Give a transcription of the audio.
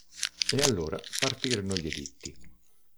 E allora partirono gli editti.